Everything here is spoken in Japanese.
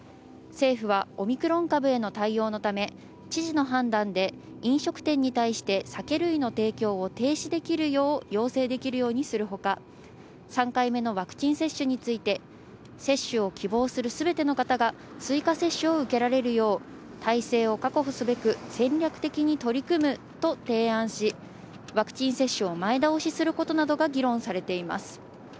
政府はオミクロン株への対応のため、知事の判断で飲食店に対して酒類の提供を停止できるよう要請できるようにするほか、３回目のワクチン接種について接種を希望するすべての方が追加接種を受けられるよう体制を確保すべく戦略的に取り組むと提案し、ワクチン接種を前倒しすることなどが議論されています。